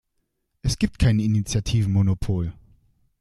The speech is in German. Es gibt kein Initiativenmonopol.